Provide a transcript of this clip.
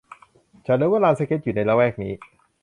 ฉันรู้ว่าลานสเก็ตอยู่ในละแวกนี้